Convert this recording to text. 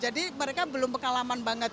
jadi mereka belum berkalaman banget